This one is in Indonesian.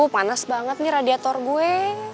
panas banget nih radiator gue